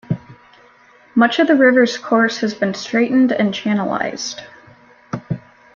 Much of the river's course has been straightened and channelized.